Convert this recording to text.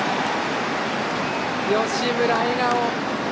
吉村、笑顔！